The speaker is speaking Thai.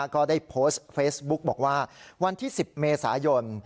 ก็ได้โพสต์เฟซบุ๊กบอกว่าวันที่๑๐เมษายน